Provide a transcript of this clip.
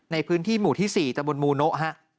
ในพื้นที่หมู่ที่๔ตะบนมูโนะ